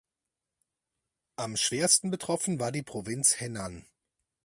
Am schwersten betroffen war die Provinz Henan.